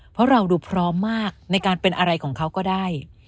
เพราะเราดูพร้อมมากในการเป็นอะไรของเขาก็ได้